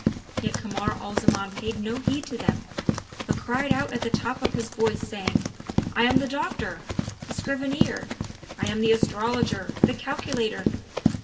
Yet Kamar al Zaman paid no heed to them, but cried out at the top of his voice, saying, "I am the Doctor, the Scrivener! I am the Astrologer, the Calculator!"